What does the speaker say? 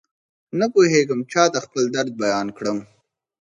نپوهېږم چاته خپل درد بيان کړم.